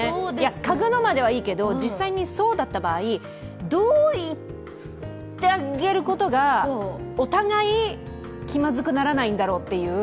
嗅ぐのまではいいけど、実際にそうだった場合、どう言ってあげることが、お互い、気まずくならないんだろうっていう。